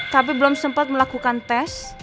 tapi belum sempat melakukan tes